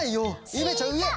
ゆめちゃんうえ！